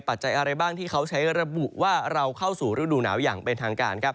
จัยอะไรบ้างที่เขาใช้ระบุว่าเราเข้าสู่ฤดูหนาวอย่างเป็นทางการครับ